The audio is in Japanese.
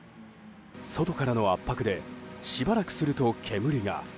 外からの圧迫でしばらくすると煙が。